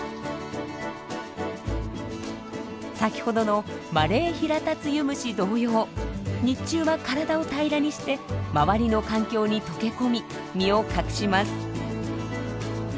先ほどのマレーヒラタツユムシ同様日中は体を平らにして周りの環境に溶け込み身を隠します。